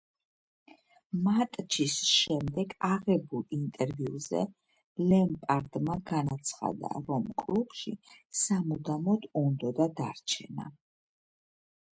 მატჩის შემდეგ აღებულ ინტერვიუზე ლემპარდმა განაცხადა, რომ კლუბში სამუდამოდ უნდოდა დარჩენა.